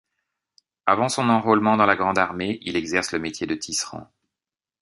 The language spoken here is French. Avant son enrôlement dans la Grande Armée, il exerce le métier de tisserand.